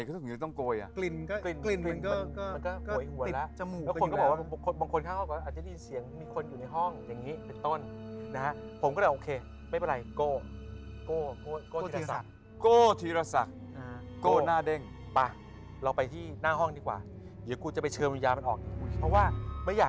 เขาอยู่ตรงนี้ต้องโกย